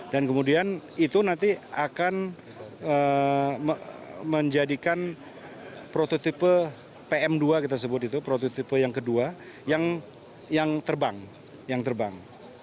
dan kemudian itu nanti akan menjadikan prototipe pm dua kita sebut itu prototipe yang kedua yang terbang